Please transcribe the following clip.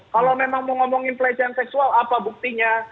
kalau memang mau ngomongin pelecehan seksual apa buktinya